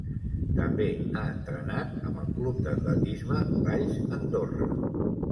També ha entrenat amb el Club d'Atletisme Valls Andorra.